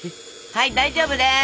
はい大丈夫です。